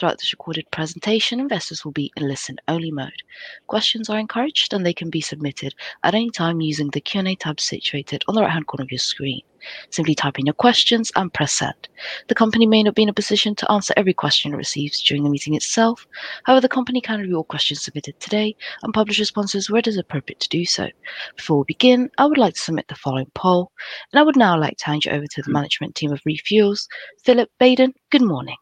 Throughout the recorded presentation, investors will be in listen-only mode. Questions are encouraged, and they can be submitted at any time using the Q&A tab situated on the right-hand corner of your screen. Simply type in your questions and press send. The company may not be in a position to answer every question it receives during the meeting itself. However, the company can review all questions submitted today and publish responses where it is appropriate to do so. Before we begin, I would like to submit the following poll, and I would now like to hand you over to the management team of ReFuels. Philip, Baden, good morning.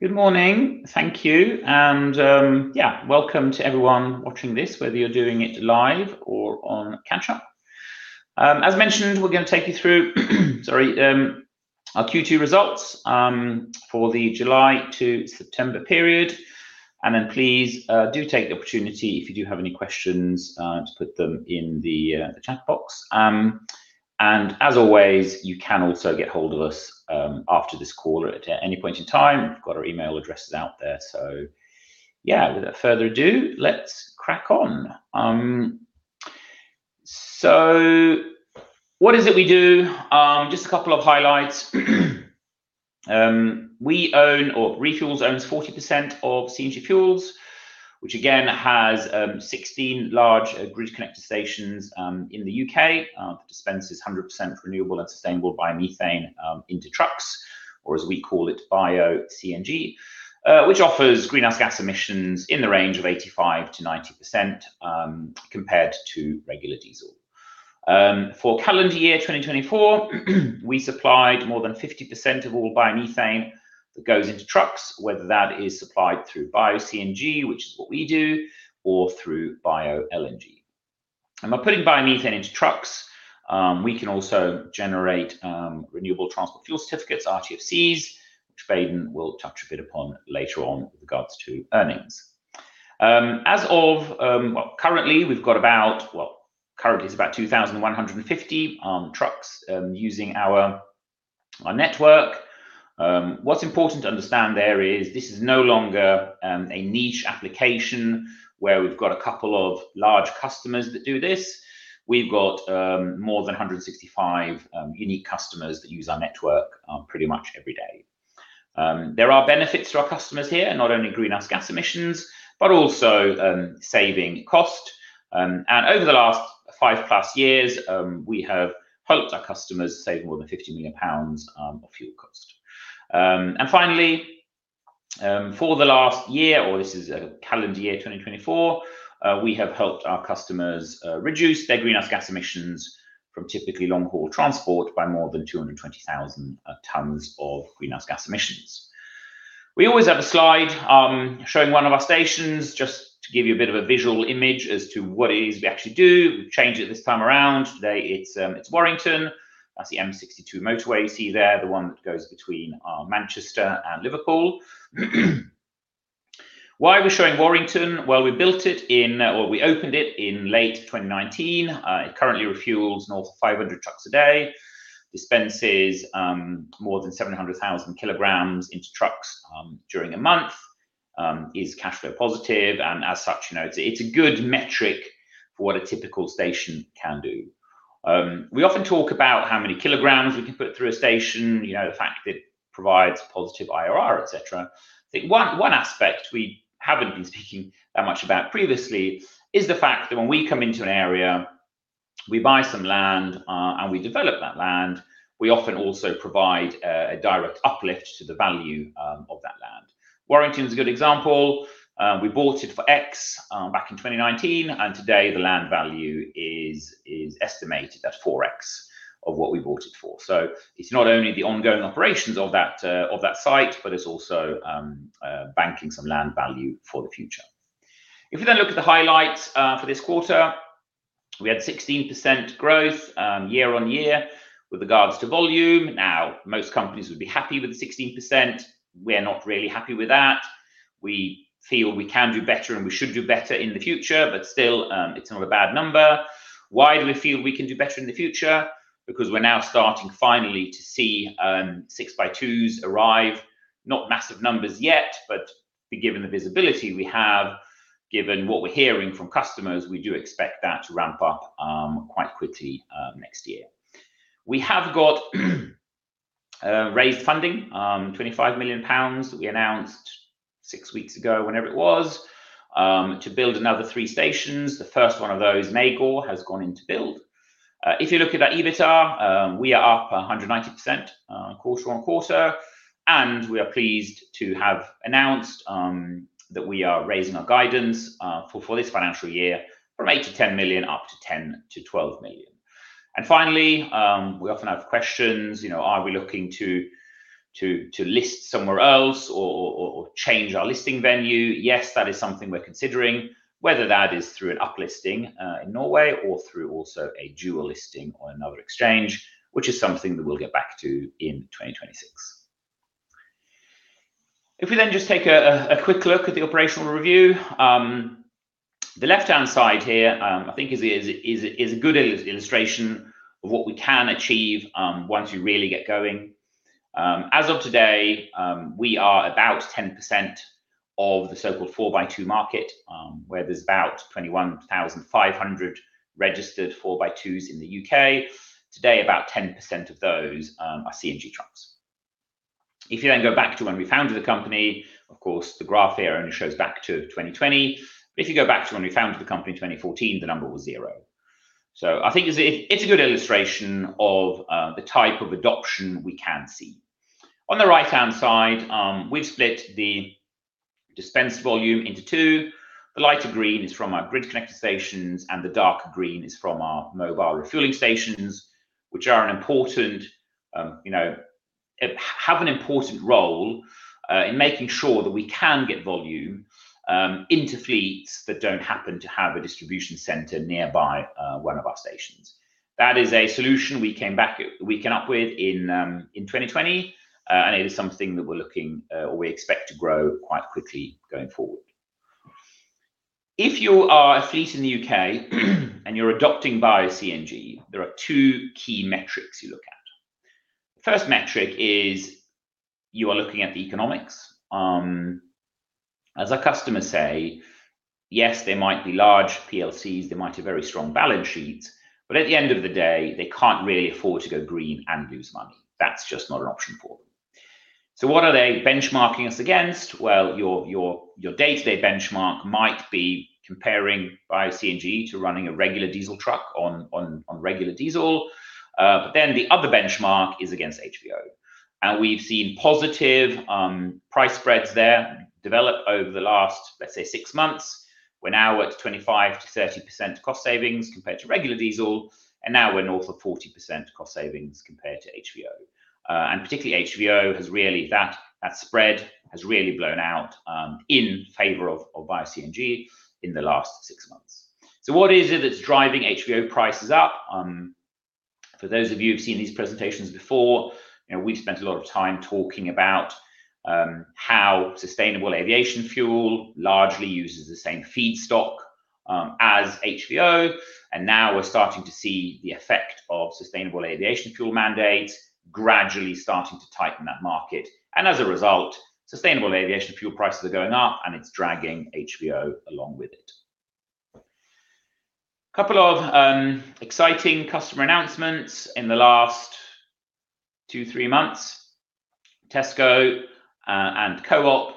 Good morning. Thank you. Yeah, welcome to everyone watching this, whether you're doing it live or on a catch-up. As mentioned, we're going to take you through, sorry, our Q2 results, for the July to September period. Please, do take the opportunity, if you do have any questions, to put them in the chat box. As always, you can also get hold of us after this call at any point in time. We've got our email addresses out there. Without further ado, let's crack on. What is it we do? Just a couple of highlights. We own, or ReFuels owns 40% of CNG Fuels, which again has 16 large grid connector stations in the U.K. The dispense is 100% renewable and sustainable biomethane, into trucks, or as we call it, Bio-CNG, which offers greenhouse gas emissions in the range of 85%-90% compared to regular diesel. For calendar year 2024, we supplied more than 50% of all biomethane that goes into trucks, whether that is supplied through Bio-CNG, which is what we do, or through Bio-LNG. By putting biomethane into trucks, we can also generate Renewable Transport Fuel Certificates, RTFCs, which Baden will touch a bit upon later on with regards to earnings. As of, currently, we've got about, currently it's about 2,150 trucks using our network. What's important to understand there is this is no longer a niche application where we've got a couple of large customers that do this. We've got more than 165 unique customers that use our network pretty much every day. There are benefits to our customers here, not only greenhouse gas emissions, but also saving cost. Over the last five plus years, we have helped our customers save more than 50 million pounds of fuel cost. Finally, for the last year, or this is calendar year 2024, we have helped our customers reduce their greenhouse gas emissions from typically long-haul transport by more than 220,000 tonnes of greenhouse gas emissions. We always have a slide showing one of our stations, just to give you a bit of a visual image as to what it is we actually do. We change it this time around. Today it's Warrington. That's the M62 motorway you see there, the one that goes between Manchester and Liverpool. Why are we showing Warrington? We built it in, or we opened it in late 2019. It currently refuels north of 500 trucks a day, dispenses more than 700,000 kilograms into trucks during a month, is cash flow positive. As such, you know, it's a good metric for what a typical station can do. We often talk about how many kilograms we can put through a station, you know, the fact that it provides positive IRR, et cetera. I think one aspect we haven't been speaking that much about previously is the fact that when we come into an area, we buy some land, and we develop that land, we often also provide a direct uplift to the value of that land. Warrington is a good example. We bought it for X back in 2019, and today the land value is estimated at 4X of what we bought it for. It is not only the ongoing operations of that, of that site, but it is also banking some land value for the future. If we then look at the highlights for this quarter, we had 16% growth year on year with regards to volume. Now, most companies would be happy with the 16%. We are not really happy with that. We feel we can do better and we should do better in the future, but still, it is not a bad number. Why do we feel we can do better in the future? Because we are now starting finally to see 6x2s arrive. Not massive numbers yet, but given the visibility we have, given what we are hearing from customers, we do expect that to ramp up quite quickly next year. We have got raised funding, 25 million pounds that we announced six weeks ago, whenever it was, to build another three stations. The first one of those in Magor has gone into build. If you look at that EBITDA, we are up 190% quarter on quarter, and we are pleased to have announced that we are raising our guidance for this financial year from 8-10 million up to 10-12 million. Finally, we often have questions, you know, are we looking to list somewhere else or change our listing venue? Yes, that is something we're considering, whether that is through an uplisting in Norway or through also a dual listing on another exchange, which is something that we'll get back to in 2026. If we then just take a quick look at the operational review, the left-hand side here, I think is a good illustration of what we can achieve once we really get going. As of today, we are about 10% of the so-called four by two market, where there are about 21,500 registered 4x2s in the U.K. Today, about 10% of those are CNG trucks. If you then go back to when we founded the company, of course, the graph here only shows back to 2020. If you go back to when we founded the company in 2014, the number was zero. I think it is a good illustration of the type of adoption we can see. On the right-hand side, we have split the dispense volume into two. The lighter green is from our grid connector stations, and the darker green is from our mobile refueling stations, which are an important, you know, have an important role in making sure that we can get volume into fleets that do not happen to have a distribution center nearby, one of our stations. That is a solution we came up with in 2020, and it is something that we're looking, or we expect to grow quite quickly going forward. If you are a fleet in the U.K. and you're adopting Bio-CNG, there are two key metrics you look at. The first metric is you are looking at the economics. As our customers say, yes, they might be large PLCs, they might have very strong balance sheets, but at the end of the day, they can't really afford to go green and lose money. That's just not an option for them. What are they benchmarking us against? Your day-to-day benchmark might be comparing Bio-CNG to running a regular diesel truck on regular diesel. The other benchmark is against HVO. We've seen positive price spreads there develop over the last, let's say, six months. We're now at 25%-30% cost savings compared to regular diesel, and now we're north of 40% cost savings compared to HVO. Particularly HVO has really, that spread has really blown out in favor of Bio-CNG in the last six months. What is it that's driving HVO prices up? For those of you who've seen these presentations before, you know, we've spent a lot of time talking about how sustainable aviation fuel largely uses the same feedstock as HVO. Now we're starting to see the effect of sustainable aviation fuel mandates gradually starting to tighten that market. As a result, sustainable aviation fuel prices are going up, and it's dragging HVO along with it. A couple of exciting customer announcements in the last two, three months. Tesco and Co-op,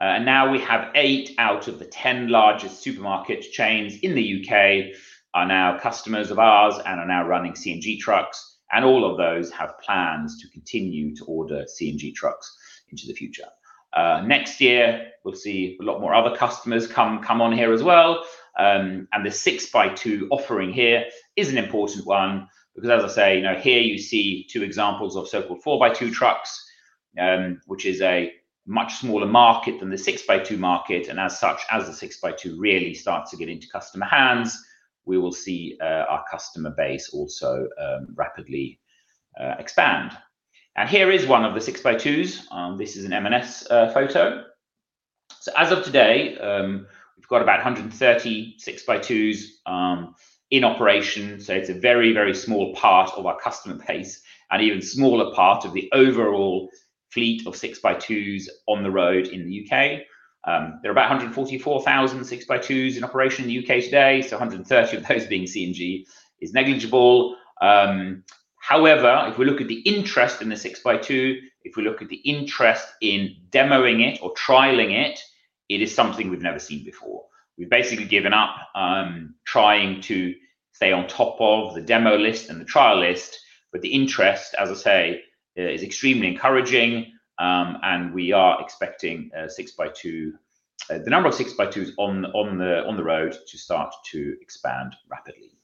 and now we have eight out of the 10 largest supermarket chains in the U.K. are now customers of ours and are now running CNG trucks, and all of those have plans to continue to order CNG trucks into the future. Next year, we'll see a lot more other customers come on here as well. The 6x2 offering here is an important one because, as I say, you know, here you see two examples of so-called 4x2 trucks, which is a much smaller market than the 6x2 market. As such, as the 6x2 really starts to get into customer hands, we will see our customer base also rapidly expand. Here is one of the 6x2s. This is an M&S photo. As of today, we've got about 130 6x2s in operation. It's a very, very small part of our customer base and an even smaller part of the overall fleet of 6x2s on the road in the U.K. There are about 144,000 6x2s in operation in the U.K. today. So 130 of those being CNG is negligible. However, if we look at the interest in the 6x2, if we look at the interest in demoing it or trialing it, it is something we've never seen before. We've basically given up trying to stay on top of the demo list and the trial list, but the interest, as I say, is extremely encouraging. We are expecting the number of 6x2s on the road to start to expand rapidly.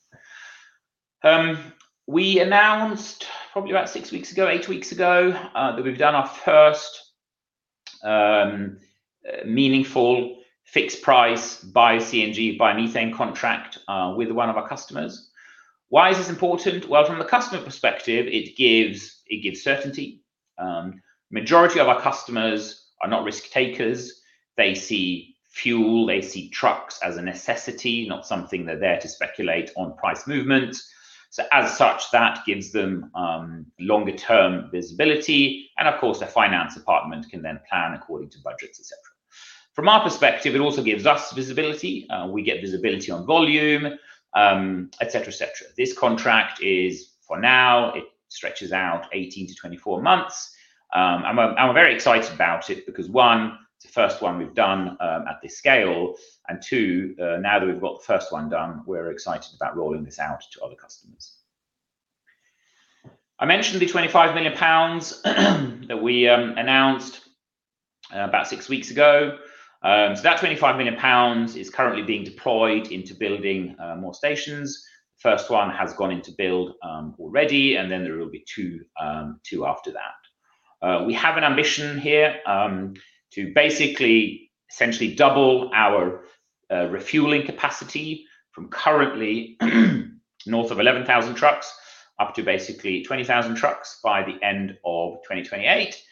We announced probably about six weeks ago, eight weeks ago, that we've done our first, meaningful fixed price Bio-CNG biomethane contract, with one of our customers. Why is this important? From the customer perspective, it gives certainty. The majority of our customers are not risk takers. They see fuel, they see trucks as a necessity, not something that they're there to speculate on price movements. As such, that gives them longer-term visibility. Of course, their finance department can then plan according to budgets, et cetera. From our perspective, it also gives us visibility. We get visibility on volume, et cetera, et cetera. This contract is, for now, it stretches out 18-24 months. We are very excited about it because, one, it's the first one we've done, at this scale. Two, now that we've got the first one done, we're excited about rolling this out to other customers. I mentioned the 25 million pounds that we announced about six weeks ago. That 25 million pounds is currently being deployed into building more stations. The first one has gone into build already, and then there will be two after that. We have an ambition here to basically essentially double our refueling capacity from currently north of 11,000 trucks up to basically 20,000 trucks by the end of 2028,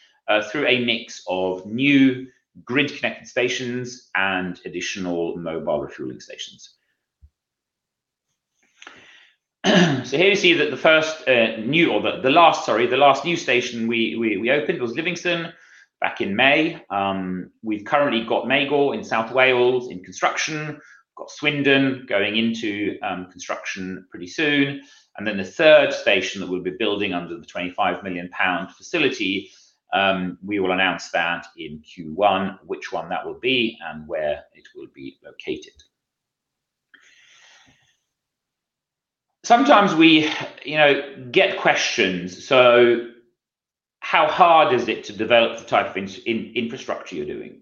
through a mix of new grid connected stations and additional mobile refueling stations. Here you see that the last new station we opened was Livingston back in May. We've currently got Magor in South Wales in construction. We've got Swindon going into construction pretty soon. The third station that we'll be building under the 25 million pound facility, we will announce that in Q1, which one that will be and where it will be located. Sometimes we, you know, get questions. How hard is it to develop the type of infrastructure you're doing?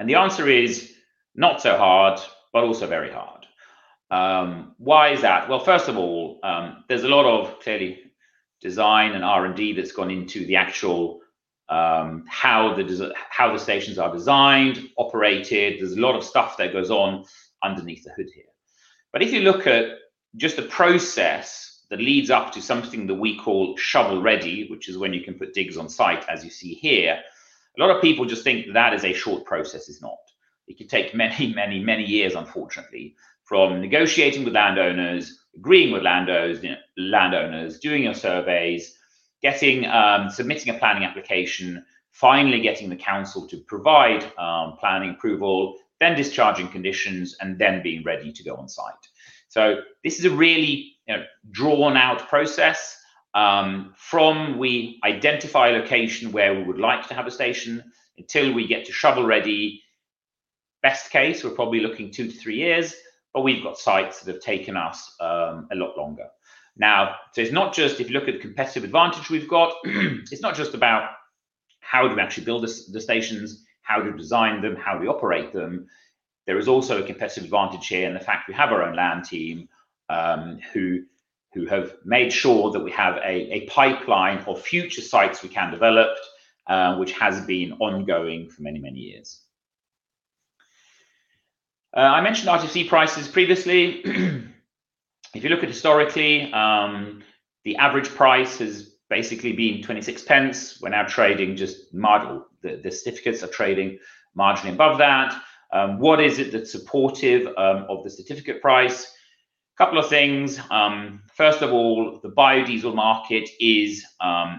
The answer is not so hard, but also very hard. Why is that? First of all, there's a lot of clearly design and R&D that's gone into the actual, how the stations are designed, operated. There's a lot of stuff that goes on underneath the hood here. If you look at just the process that leads up to something that we call shovel ready, which is when you can put digs on site, as you see here, a lot of people just think that is a short process. It's not. It could take many, many, many years, unfortunately, from negotiating with landowners, agreeing with landowners, doing your surveys, getting, submitting a planning application, finally getting the council to provide planning approval, then discharging conditions, and then being ready to go on site. This is a really, you know, drawn out process, from we identify a location where we would like to have a station until we get to shovel ready. Best case, we're probably looking two to three years, but we've got sites that have taken us a lot longer. It's not just if you look at the competitive advantage we've got, it's not just about how do we actually build the stations, how to design them, how do we operate them. There is also a competitive advantage here in the fact we have our own land team, who have made sure that we have a pipeline of future sites we can develop, which has been ongoing for many, many years. I mentioned RTFC prices previously. If you look at historically, the average price has basically been 0.26. We are now trading just marginal, the certificates are trading marginally above that. What is it that is supportive of the certificate price? A couple of things. First of all, the biodiesel market is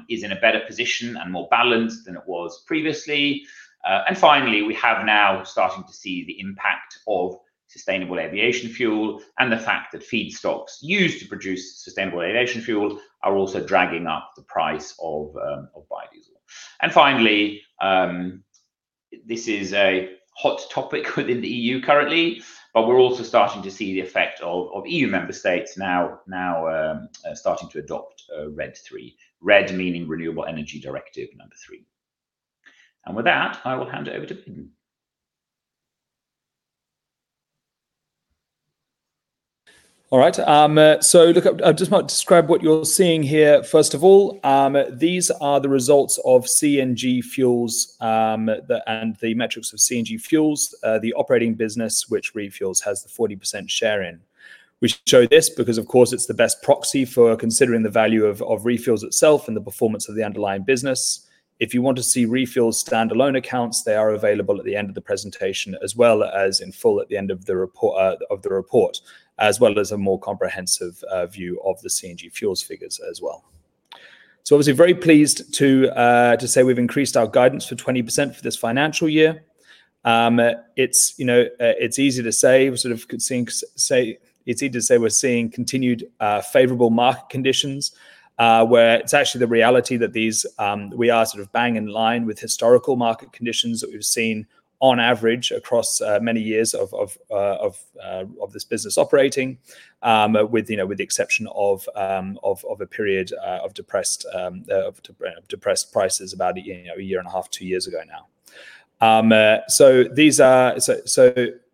in a better position and more balanced than it was previously. Finally, we have now started to see the impact of sustainable aviation fuel and the fact that feedstocks used to produce sustainable aviation fuel are also dragging up the price of biodiesel. Finally, this is a hot topic within the EU currently, but we're also starting to see the effect of EU member states now starting to adopt RED III, RED meaning Renewable Energy Directive number three. With that, I will hand it over to Baden. All right. Look, I just might describe what you're seeing here. First of all, these are the results of CNG Fuels, and the metrics of CNG Fuels, the operating business which ReFuels has the 40% share in. We show this because, of course, it's the best proxy for considering the value of ReFuels itself and the performance of the underlying business. If you want to see ReFuels standalone accounts, they are available at the end of the presentation as well as in full at the end of the report, as well as a more comprehensive view of the CNG Fuels figures as well. Obviously very pleased to say we've increased our guidance for 20% for this financial year. You know, it's easy to say we're sort of seeing, say, it's easy to say we're seeing continued favorable market conditions, where it's actually the reality that these, we are sort of bang in line with historical market conditions that we've seen on average across many years of this business operating, with, you know, with the exception of a period of depressed prices about a, you know, a year and a half, two years ago now.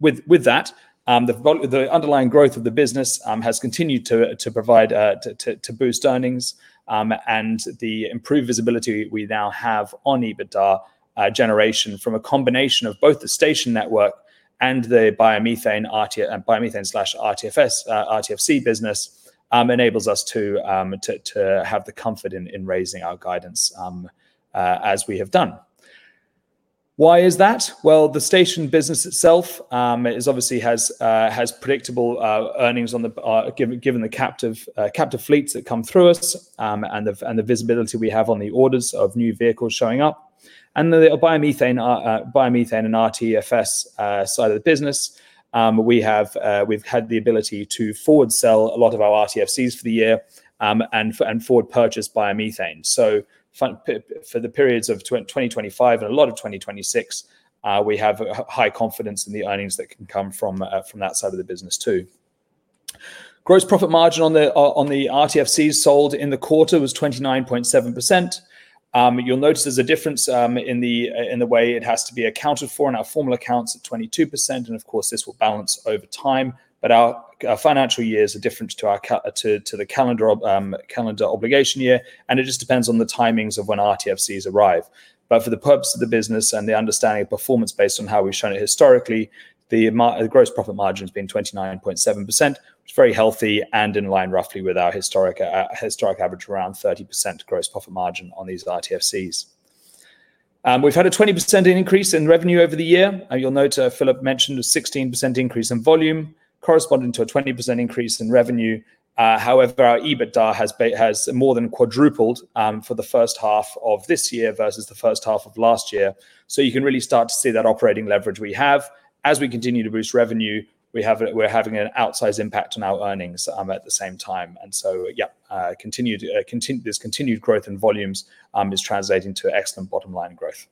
With that, the underlying growth of the business has continued to provide, to boost earnings, and the improved visibility we now have on EBITDA generation from a combination of both the station network and the biomethane RTFC business enables us to have the comfort in raising our guidance, as we have done. Why is that? The station business itself obviously has predictable earnings, given the captive fleets that come through us and the visibility we have on the orders of new vehicles showing up. On the biomethane and RTFC side of the business, we have had the ability to forward sell a lot of our RTFCs for the year and forward purchase biomethane. For the periods of 2025 and a lot of 2026, we have a high confidence in the earnings that can come from that side of the business too. Gross profit margin on the RTFCs sold in the quarter was 29.7%. You'll notice there's a difference in the way it has to be accounted for in our formal accounts at 22%. Of course, this will balance over time, but our financial year is a difference to our, to the calendar, calendar obligation year. It just depends on the timings of when RTFCs arrive. For the purpose of the business and the understanding of performance based on how we've shown it historically, the gross profit margin has been 29.7%, which is very healthy and in line roughly with our historic average around 30% gross profit margin on these RTFCs. We've had a 20% increase in revenue over the year. You'll note, Philip mentioned a 16% increase in volume corresponding to a 20% increase in revenue. However, our EBITDA has more than quadrupled for the first half of this year versus the first half of last year. You can really start to see that operating leverage we have as we continue to boost revenue. We're having an outsized impact on our earnings at the same time. Continued growth in volumes is translating to excellent bottom line growth.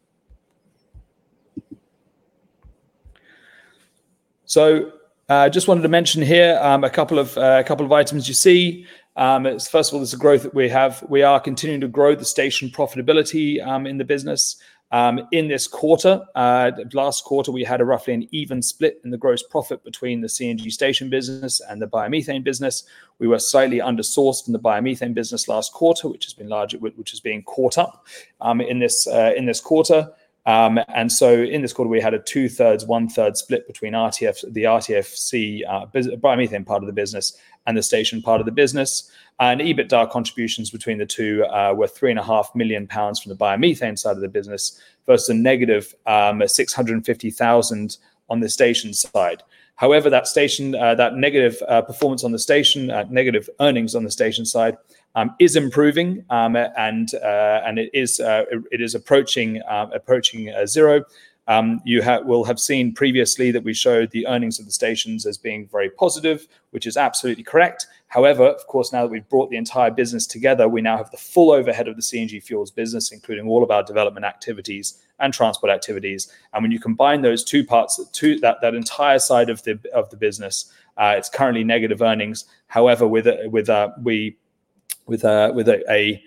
I just wanted to mention here, a couple of items you see. First of all, there's a growth that we have. We are continuing to grow the station profitability in the business in this quarter. Last quarter, we had roughly an even split in the gross profit between the CNG station business and the biomethane business. We were slightly undersourced from the biomethane business last quarter, which has been largely caught up in this quarter. In this quarter, we had a two-thirds, one-third split between RTFC, the biomethane part of the business, and the station part of the business. EBITDA contributions between the two were 3.5 million pounds from the biomethane side of the business versus a negative 650,000 on the station side. However, that station, that negative performance on the station, negative earnings on the station side, is improving, and it is approaching, approaching zero. You have, we'll have seen previously that we showed the earnings of the stations as being very positive, which is absolutely correct. However, of course, now that we've brought the entire business together, we now have the full overhead of the CNG Fuels business, including all of our development activities and transport activities. When you combine those two parts, that entire side of the business, it's currently negative earnings. However, with a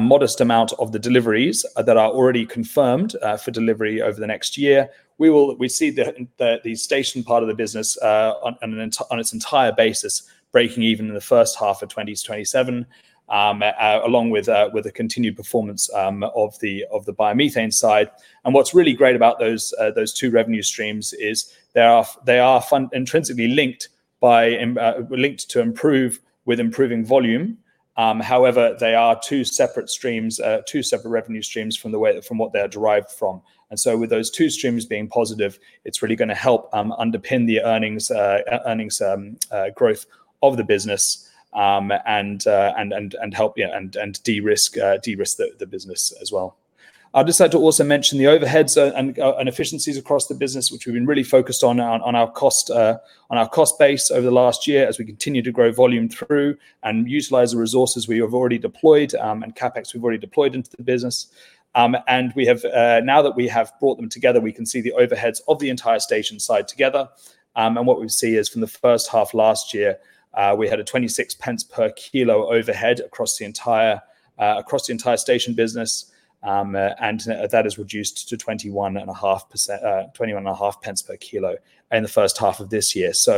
modest amount of the deliveries that are already confirmed for delivery over the next year, we see the station part of the business, on its entire basis, breaking even in the first half of 2027, along with the continued performance of the biomethane side. What's really great about those two revenue streams is they are intrinsically linked to improving volume. However, they are two separate streams, two separate revenue streams from what they are derived from. With those two streams being positive, it's really going to help underpin the earnings growth of the business and help de-risk the business as well. I'd just like to also mention the overheads and efficiencies across the business, which we've been really focused on, on our cost, on our cost base over the last year as we continue to grow volume through and utilize the resources we have already deployed, and CapEx we've already deployed into the business. Now that we have brought them together, we can see the overheads of the entire station side together. What we see is from the first half last year, we had a 0.26 per kilo overhead across the entire station business. That has reduced to 0.215 per kilo in the first half of this year. That is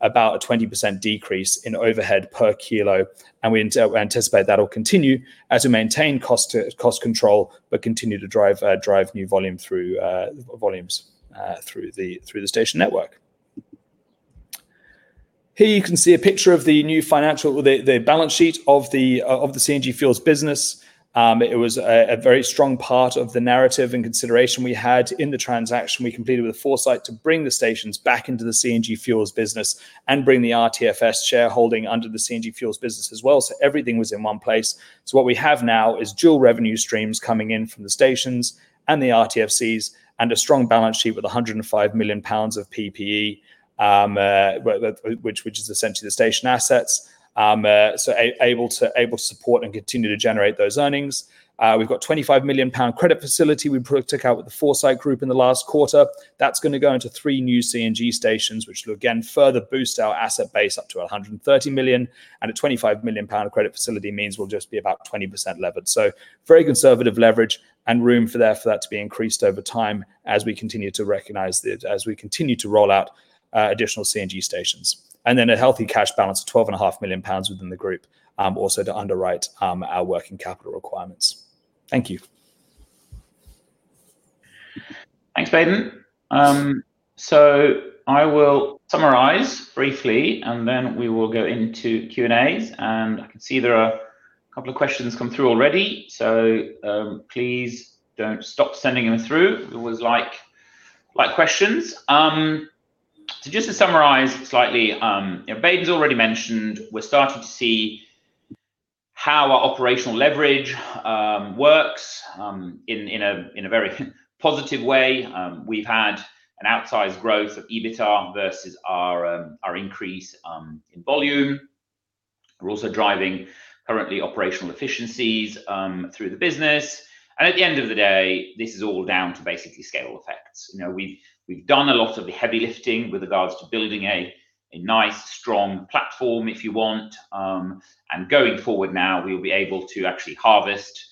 about a 20% decrease in overhead per kilo. We anticipate that will continue as we maintain cost control but continue to drive new volume through the station network. Here you can see a picture of the new financial, the balance sheet of the CNG Fuels business. It was a very strong part of the narrative and consideration we had in the transaction we completed with Foresight to bring the stations back into the CNG Fuels business and bring the RTFC shareholding under the CNG Fuels business as well. Everything was in one place. What we have now is dual revenue streams coming in from the stations and the RTFCs and a strong balance sheet with 105 million pounds of PPE, which is essentially the station assets, able to support and continue to generate those earnings. We've got a 25 million pound credit facility we took out with the Foresight Group in the last quarter. That's going to go into three new CNG stations, which will again further boost our asset base up to 130 million. A 25 million pound credit facility means we'll just be about 20% levered. Very conservative leverage and room for that to be increased over time as we continue to recognize that, as we continue to roll out additional CNG stations. A healthy cash balance of 12.5 million pounds within the group also to underwrite our working capital requirements. Thank you. Thanks, Baden. I will summarize briefly and then we will go into Q &A's, and I can see there are a couple of questions come through already. Please don't stop sending them through. I like questions. Just to summarize slightly, you know, Baden's already mentioned we're starting to see how our operational leverage works in a very positive way. We've had an outsized growth of EBITDA versus our increase in volume. We're also driving currently operational efficiencies through the business. At the end of the day, this is all down to basically scale effects. You know, we've done a lot of the heavy lifting with regards to building a nice strong platform, if you want. Going forward now, we'll be able to actually harvest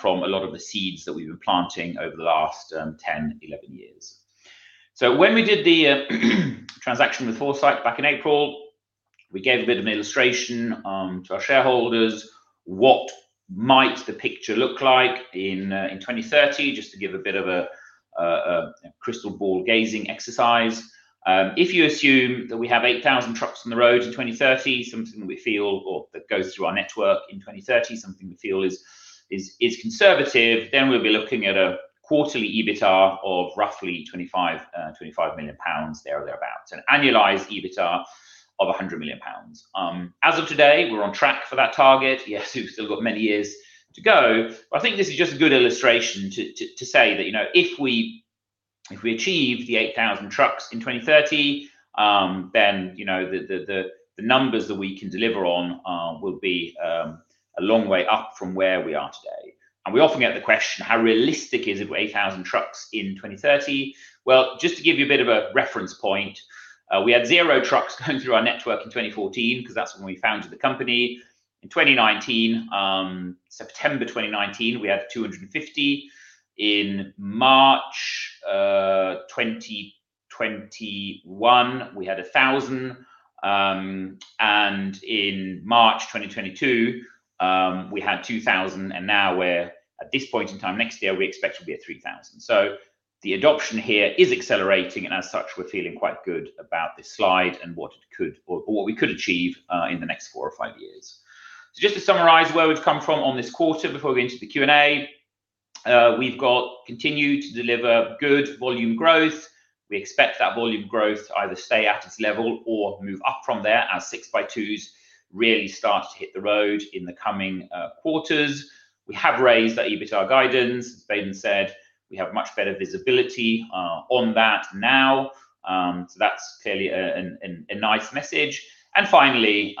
from a lot of the seeds that we've been planting over the last 10, 11 years. When we did the transaction with Foresight Group back in April, we gave a bit of an illustration to our shareholders what might the picture look like in 2030, just to give a bit of a crystal ball gazing exercise. If you assume that we have 8,000 trucks on the road in 2030, something that we feel, or that goes through our network in 2030, something we feel is conservative, then we'll be looking at a quarterly EBITDA of roughly 25 million pounds, there or thereabouts, an annualized EBITDA of 100 million pounds. As of today, we're on track for that target. Yes, we've still got many years to go, but I think this is just a good illustration to say that, you know, if we achieve the 8,000 trucks in 2030, then, you know, the numbers that we can deliver on will be a long way up from where we are today. We often get the question, how realistic is it with 8,000 trucks in 2030? Just to give you a bit of a reference point, we had zero trucks going through our network in 2014, because that's when we founded the company. In September 2019, we had 250. In March 2021, we had 1,000. In March 2022, we had 2,000. Now at this point in time next year, we expect to be at 3,000. The adoption here is accelerating. As such, we're feeling quite good about this slide and what it could, or what we could achieve, in the next four or five years. Just to summarize where we've come from on this quarter before we get into the Q&A, we've continued to deliver good volume growth. We expect that volume growth to either stay at its level or move up from there as 6x2s really start to hit the road in the coming quarters. We have raised that EBITDA guidance. As Baden said, we have much better visibility on that now. That's clearly a nice message. Finally,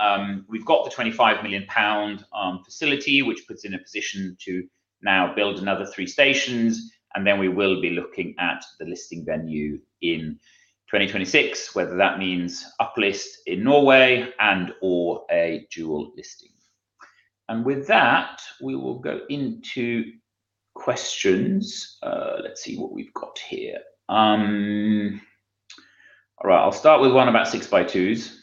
we've got the 25 million pound facility, which puts us in a position to now build another three stations. We will be looking at the listing venue in 2026, whether that means uplist in Norway and or a dual listing. With that, we will go into questions. Let's see what we've got here. All right, I'll start with one about 6x2s.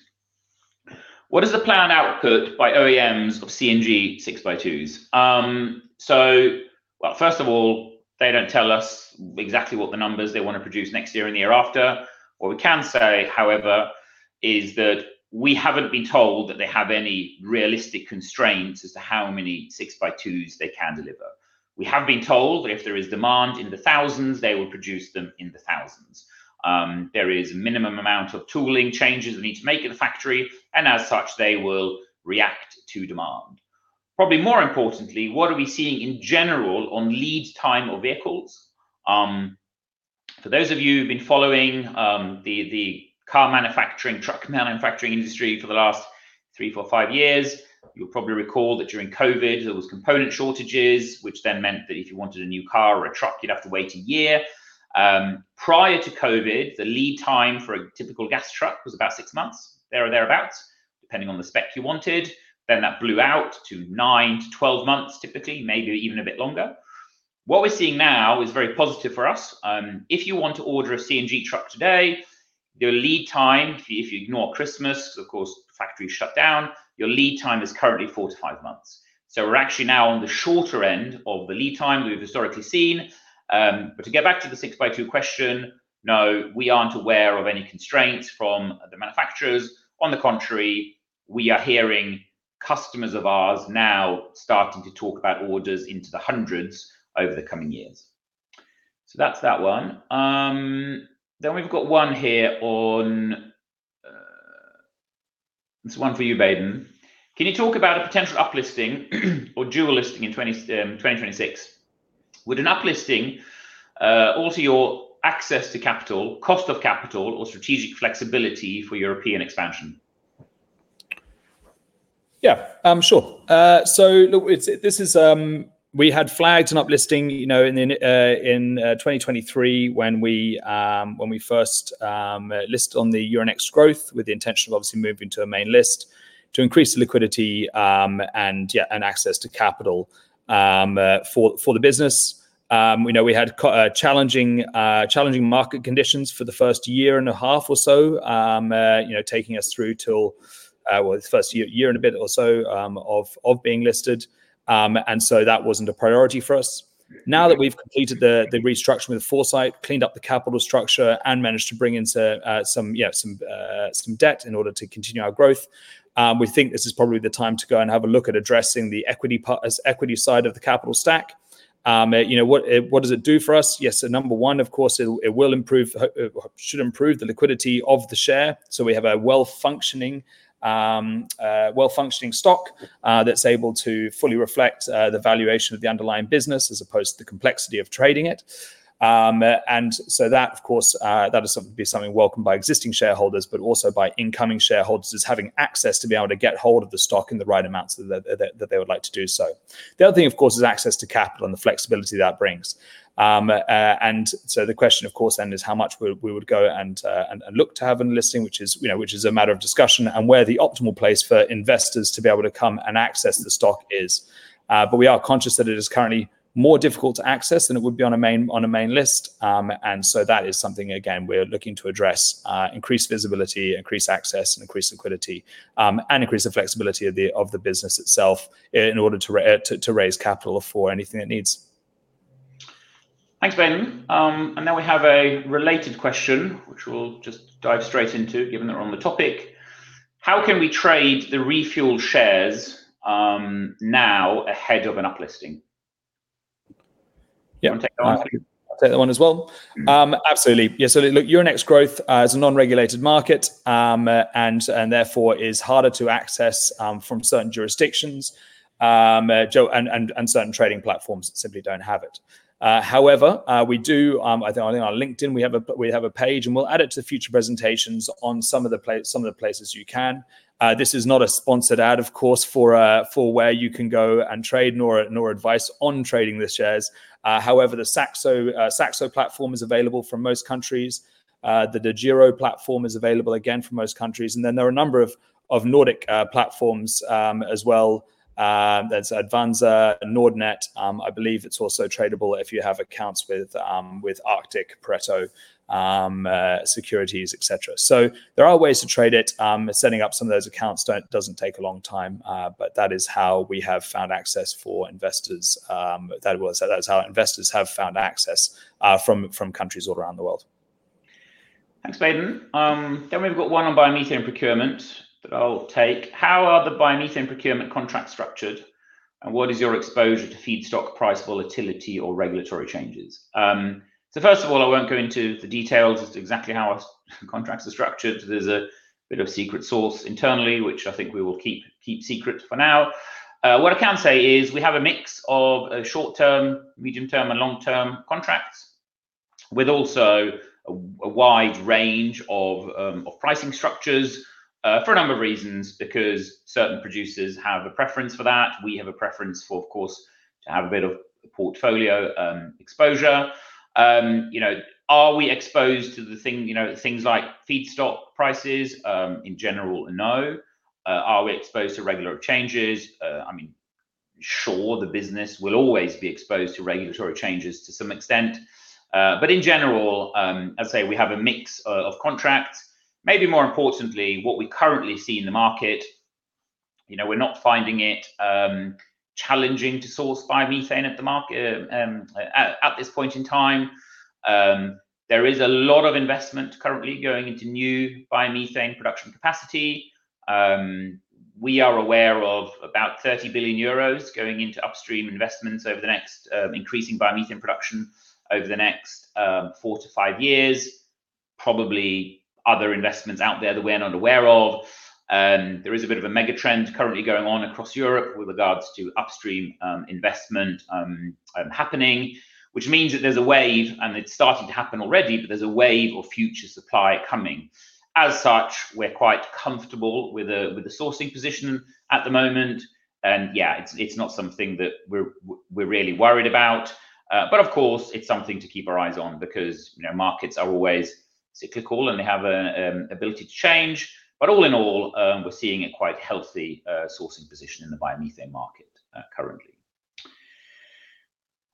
What is the planned output by OEMs of CNG 6x2s? First of all, they do not tell us exactly what the numbers they want to produce next year and the year after. What we can say, however, is that we have not been told that they have any realistic constraints as to how many 6x2s they can deliver. We have been told that if there is demand in the thousands, they will produce them in the thousands. There is a minimum amount of tooling changes we need to make at the factory. As such, they will react to demand. Probably more importantly, what are we seeing in general on lead time or vehicles? For those of you who've been following the car manufacturing, truck manufacturing industry for the last three, four, five years, you'll probably recall that during COVID there were component shortages, which then meant that if you wanted a new car or a truck, you'd have to wait a year. Prior to COVID, the lead time for a typical gas truck was about six months there or thereabouts, depending on the spec you wanted. That blew out to nine-12 months, typically, maybe even a bit longer. What we're seeing now is very positive for us. If you want to order a CNG truck today, your lead time, if you ignore Christmas, because of course, factories shut down, your lead time is currently four to five months. We are actually now on the shorter end of the lead time that we have historically seen. To get back to the 6x2 question, no, we are not aware of any constraints from the manufacturers. On the contrary, we are hearing customers of ours now starting to talk about orders into the hundreds over the coming years. That is that one. We have one here on, this one for you, Baden. Can you talk about a potential uplisting or dual listing in 2026? Would an uplisting alter your access to capital, cost of capital, or strategic flexibility for European expansion? Yeah, I am sure. Look, this is, we had flagged an uplisting, you know, in 2023 when we first listed on the Euronext Growth with the intention of obviously moving to a main list to increase the liquidity, and yeah, and access to capital for the business. We know we had challenging, challenging market conditions for the first year and a half or so, you know, taking us through till, well, the first year, year and a bit or so, of being listed. That was not a priority for us. Now that we've completed the restructuring with the Foresight Group, cleaned up the capital structure and managed to bring in some, yeah, some debt in order to continue our growth, we think this is probably the time to go and have a look at addressing the equity part, equity side of the capital stack. you know, what, what does it do for us? Yes. Number one, of course, it will improve, should improve the liquidity of the share. We have a well-functioning, well-functioning stock, that's able to fully reflect the valuation of the underlying business as opposed to the complexity of trading it. That, of course, is something to be welcomed by existing shareholders, but also by incoming shareholders, having access to be able to get hold of the stock in the right amounts that they would like to do so. The other thing, of course, is access to capital and the flexibility that brings. and so the question, of course, then is how much we would go and, and look to have a listing, which is, you know, which is a matter of discussion and where the optimal place for investors to be able to come and access the stock is. we are conscious that it is currently more difficult to access than it would be on a main, on a main list. that is something, again, we're looking to address, increased visibility, increased access, and increased liquidity, and increase the flexibility of the, of the business itself in order to, to, to raise capital for anything it needs. Thanks, Baden. we have a related question, which we'll just dive straight into given that we're on the topic. How can we trade the ReFuels shares, now ahead of an uplisting? Yeah, I'll take that one. I'll take that one as well. Absolutely. Yeah. Look, Euronext Growth is a non-regulated market, and therefore is harder to access from certain jurisdictions, Joe, and certain trading platforms that simply don't have it. However, we do, I think on LinkedIn, we have a page and we'll add it to future presentations on some of the places you can. This is not a sponsored ad, of course, for where you can go and trade nor advice on trading the shares. However, the Saxo platform is available from most countries. The DEGIRO platform is available again from most countries. There are a number of Nordic platforms as well. That's Avanza and Nordnet. I believe it's also tradable if you have accounts with Arctic Securities, et cetera. There are ways to trade it. Setting up some of those accounts does not take a long time. That is how we have found access for investors. That was, that is how investors have found access, from countries all around the world. Thanks, Baden. We have one on biomethane procurement that I will take. How are the biomethane procurement contracts structured? And what is your exposure to feedstock price volatility or regulatory changes? First of all, I will not go into the details as to exactly how our contracts are structured. There is a bit of secret sauce internally, which I think we will keep secret for now. What I can say is we have a mix of short term, medium term, and long term contracts with also a wide range of pricing structures, for a number of reasons, because certain producers have a preference for that. We have a preference for, of course, to have a bit of portfolio exposure. You know, are we exposed to the thing, you know, things like feedstock prices, in general? No. Are we exposed to regulatory changes? I mean, sure, the business will always be exposed to regulatory changes to some extent. In general, I'd say we have a mix of contracts. Maybe more importantly, what we currently see in the market, you know, we're not finding it challenging to source biomethane at the market at this point in time. There is a lot of investment currently going into new biomethane production capacity. We are aware of about 30 billion euros going into upstream investments over the next, increasing biomethane production over the next four to five years, probably other investments out there that we're not aware of. There is a bit of a mega trend currently going on across Europe with regards to upstream investment happening, which means that there's a wave, and it's starting to happen already, but there's a wave of future supply coming. As such, we're quite comfortable with the sourcing position at the moment. Yeah, it's not something that we're really worried about. Of course, it's something to keep our eyes on because, you know, markets are always cyclical and they have an ability to change. All in all, we're seeing a quite healthy sourcing position in the biomethane market currently.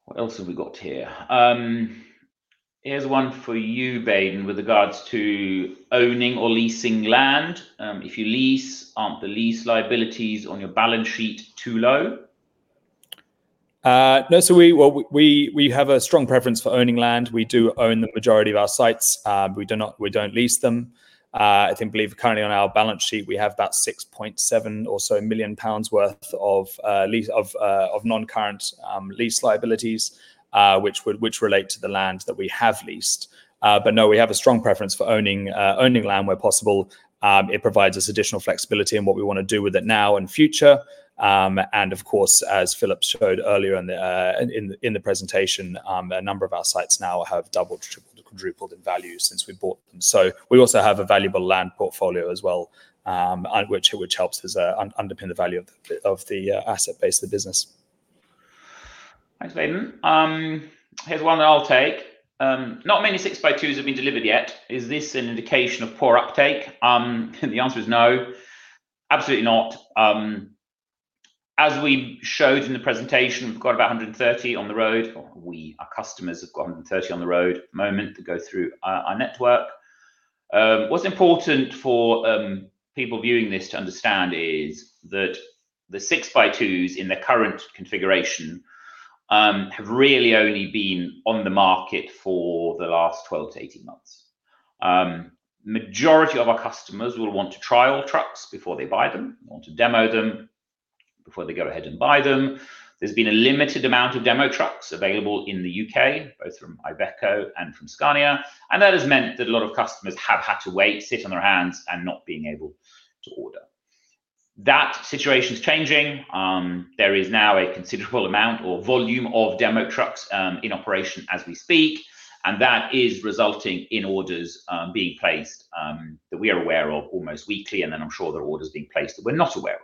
What else have we got here? Here's one for you, Baden, with regards to owning or leasing land. If you lease, aren't the lease liabilities on your balance sheet too low? No, we have a strong preference for owning land. We do own the majority of our sites. We do not, we don't lease them. I think we believe currently on our balance sheet, we have about 6.7 million or so worth of non-current lease liabilities, which relate to the land that we have leased. No, we have a strong preference for owning land where possible. It provides us additional flexibility in what we want to do with it now and in the future. Of course, as Philip showed earlier in the presentation, a number of our sites now have doubled, quadrupled in value since we bought them. We also have a valuable land portfolio as well, which helps us underpin the value of the asset base of the business. Thanks, Baden. Here's one that I'll take. Not many 6x2s have been delivered yet. Is this an indication of poor uptake? The answer is no, absolutely not. As we showed in the presentation, we've got about 130 on the road. Our customers have got 130 on the road at the moment that go through our network. What's important for people viewing this to understand is that the 6x2s in the current configuration have really only been on the market for the last 12-18 months. The majority of our customers will want to trial trucks before they buy them, want to demo them before they go ahead and buy them. There's been a limited amount of demo trucks available in the U.K., both from Iveco and from Scania. That has meant that a lot of customers have had to wait, sit on their hands and not being able to order. That situation is changing. There is now a considerable amount or volume of demo trucks in operation as we speak. That is resulting in orders being placed that we are aware of almost weekly. I'm sure there are orders being placed that we're not aware of.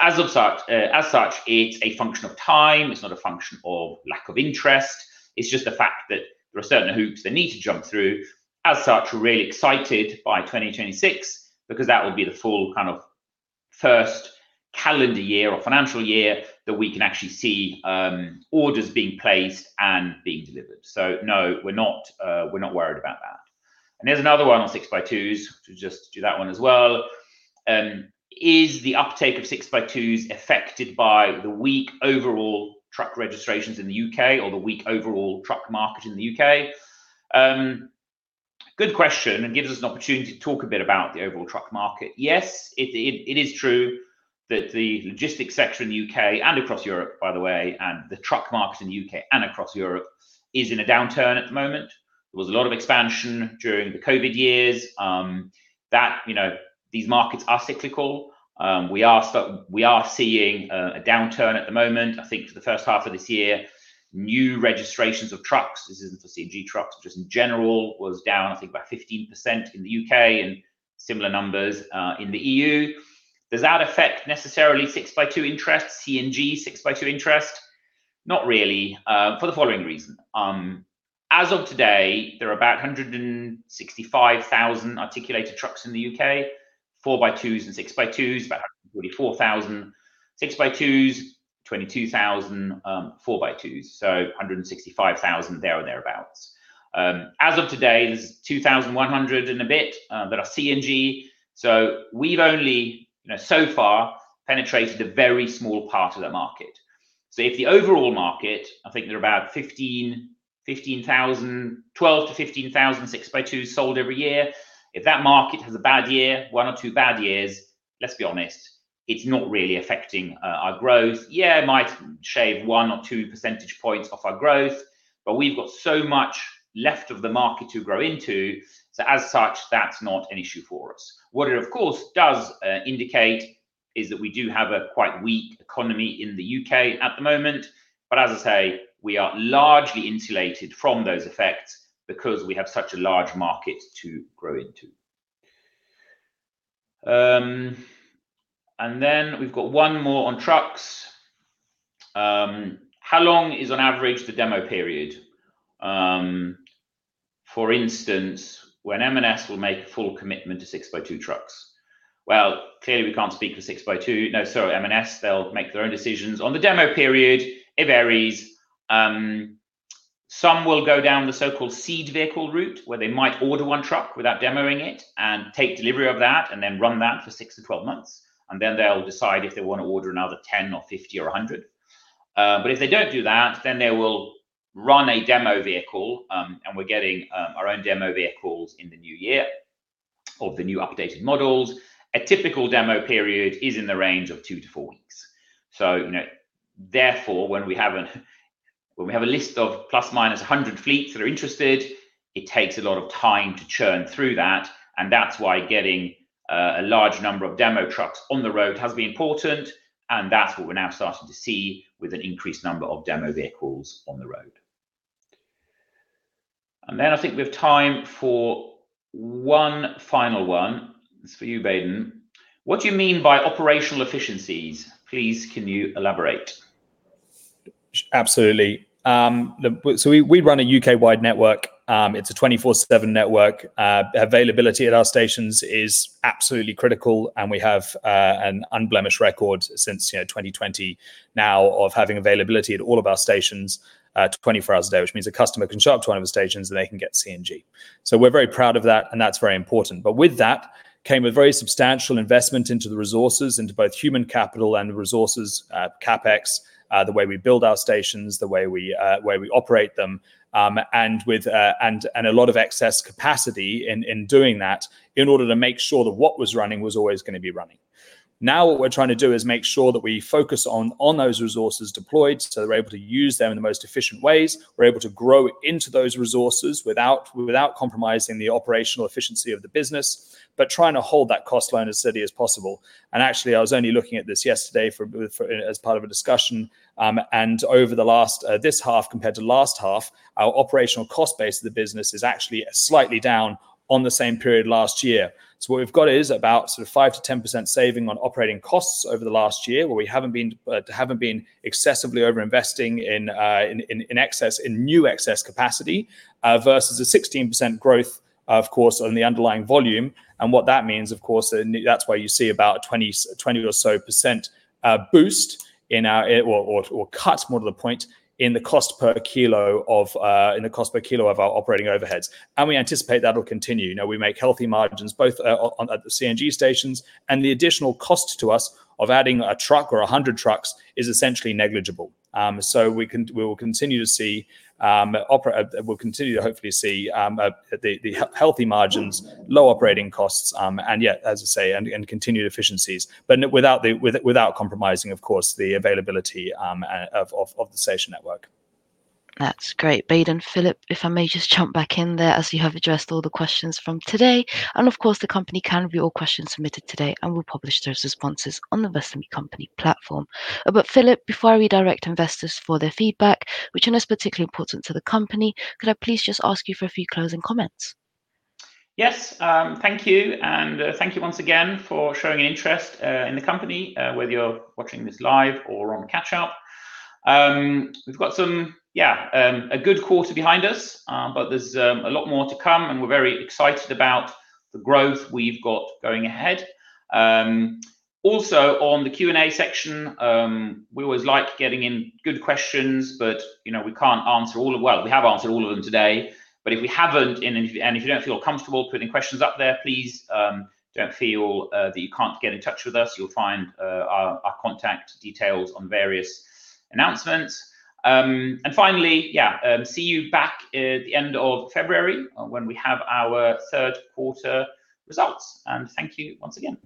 As such, it's a function of time. It's not a function of lack of interest. It's just the fact that there are certain hoops they need to jump through. As such, we're really excited by 2026 because that will be the full kind of first calendar year or financial year that we can actually see, orders being placed and being delivered. No, we're not, we're not worried about that. There's another one on 6x2s, to just do that one as well. Is the uptake of six by twos affected by the weak overall truck registrations in the U.K. or the weak overall truck market in the U.K.? Good question. It gives us an opportunity to talk a bit about the overall truck market. Yes, it is true that the logistics sector in the U.K. and across Europe, by the way, and the truck market in the U.K. and across Europe is in a downturn at the moment. There was a lot of expansion during the COVID years. That, you know, these markets are cyclical. We are, we are seeing a downturn at the moment. I think for the first half of this year, new registrations of trucks, this is not for CNG trucks, just in general, was down, I think, about 15% in the U.K. and similar numbers in the EU. Does that affect necessarily 6x2 interest, CNG 6x2 interest? Not really, for the following reason. As of today, there are about 165,000 articulated trucks in the U.K., 4x2s and 6x2s, about 144,000 6x2s, 22,000 4x2s. So 165,000 there and thereabouts. As of today, there are 2,100 and a bit that are CNG. So we have only, you know, so far penetrated a very small part of that market. If the overall market, I think there are about 15,000, 12,000-15,000 6x2s sold every year. If that market has a bad year, one or two bad years, let's be honest, it's not really affecting our growth. Yeah, it might shave one or two percentage points off our growth, but we've got so much left of the market to grow into. As such, that's not an issue for us. What it of course does indicate is that we do have a quite weak economy in the U.K. at the moment. As I say, we are largely insulated from those effects because we have such a large market to grow into. Then we've got one more on trucks. How long is on average the demo period? For instance, when M&S will make a full commitment to 6x2 trucks. Clearly we can't speak for M&S. They'll make their own decisions on the demo period. It varies. Some will go down the so-called seed vehicle route where they might order one truck without demoing it and take delivery of that and then run that for six-12 months. Then they'll decide if they want to order another 10 or 50 or 100. If they don't do that, they will run a demo vehicle. We're getting our own demo vehicles in the new year of the new updated models. A typical demo period is in the range of two to four weeks. You know, therefore when we have a list of plus minus 100 fleets that are interested, it takes a lot of time to churn through that. That is why getting a large number of demo trucks on the road has been important. That is what we are now starting to see with an increased number of demo vehicles on the road. I think we have time for one final one. It is for you, Baden. What do you mean by operational efficiencies? Please, can you elaborate? Absolutely. We run a U.K.-wide network. It is a 24/7 network. Availability at our stations is absolutely critical. We have an unblemished record since, you know, 2020 now of having availability at all of our stations, 24 hours a day, which means a customer can show up to one of the stations and they can get CNG. We are very proud of that. That is very important. With that came a very substantial investment into the resources, into both human capital and the resources, CapEx, the way we build our stations, the way we operate them, and a lot of excess capacity in doing that in order to make sure that what was running was always going to be running. Now what we're trying to do is make sure that we focus on those resources deployed so they're able to use them in the most efficient ways. We're able to grow into those resources without compromising the operational efficiency of the business, but trying to hold that cost line as steady as possible. Actually, I was only looking at this yesterday as part of a discussion. Over the last, this half compared to last half, our operational cost base of the business is actually slightly down on the same period last year. What we've got is about 5%-10% saving on operating costs over the last year where we haven't been, haven't been excessively overinvesting in, in excess, in new excess capacity, versus a 16% growth, of course, on the underlying volume. What that means, of course, that's why you see about 20%, 20% or so percent, boost in our or cut more to the point in the cost per kilo of, in the cost per kilo of our operating overheads. We anticipate that'll continue. You know, we make healthy margins both, on at the CNG stations and the additional cost to us of adding a truck or a 100 trucks is essentially negligible. We will continue to see, operate, we'll continue to hopefully see the healthy margins, low operating costs. And yeah, as I say, and continued efficiencies, but without compromising, of course, the availability of the station network. That's great. Baden and Philip, if I may just jump back in there as you have addressed all the questions from today. Of course, the company can view all questions submitted today and we'll publish those responses on the Investor Meet Company platform. Philip, before I redirect investors for their feedback, which I know is particularly important to the company, could I please just ask you for a few closing comments? Yes. Thank you. Thank you once again for showing an interest in the company, whether you're watching this live or on catch up. We've got some, yeah, a good quarter behind us, but there's a lot more to come and we're very excited about the growth we've got going ahead. Also, on the Q&A section, we always like getting in good questions, but, you know, we can't answer all of, well, we have answered all of them today, but if we haven't, and if you don't feel comfortable putting questions up there, please don't feel that you can't get in touch with us. You'll find our contact details on various announcements. Finally, yeah, see you back at the end of February when we have our third quarter results. Thank you once again.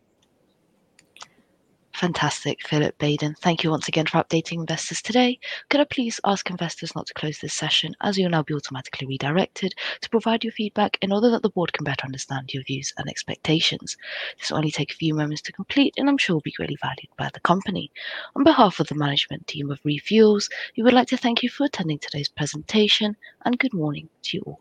Fantastic, Philip, Baden. Thank you once again for updating investors today. Could I please ask investors not to close this session as you'll now be automatically redirected to provide your feedback in order that the board can better understand your views and expectations. This will only take a few moments to complete and I'm sure will be greatly valued by the company. On behalf of the management team of ReFuels, we would like to thank you for attending today's presentation and good morning to you all.